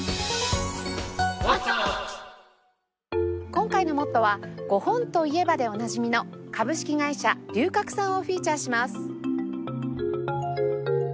今回の『ＭＯＴＴＯ！！』は「ゴホン！といえば」でおなじみの株式会社龍角散をフィーチャーします。